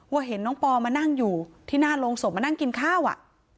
เห็นน้องปอมานั่งอยู่ที่หน้าโรงศพมานั่งกินข้าวอ่ะ